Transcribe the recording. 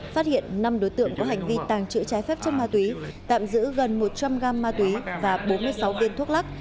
phát hiện năm đối tượng có hành vi tàng trữ trái phép chất ma túy tạm giữ gần một trăm linh gram ma túy và bốn mươi sáu viên thuốc lắc